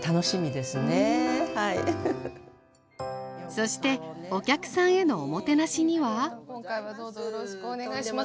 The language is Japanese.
そしてお客さんへのおもてなしには今回はどうぞよろしくお願いします。